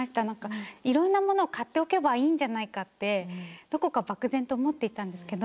いろんなものを買っておけばいいんじゃないかってどこか漠然と思っていたんですけど